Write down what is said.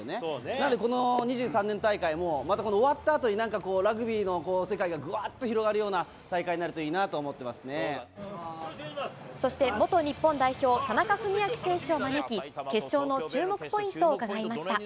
なんでこの２３年大会も、また終わったあとに、なんかラグビーの世界がぐわっと広がるような大会になるといいなそして元日本代表、田中史朗選手を招き、決勝の注目ポイントを伺いました。